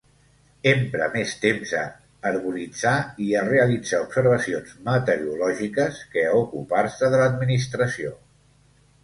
Emprà més temps a herboritzar i a realitzar observacions meteorològiques que a ocupar-se de l'administració.